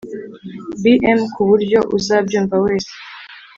Bm ku buryo uzabyumva wese